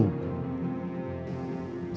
kenapa yang sering diajak pergi itu kamu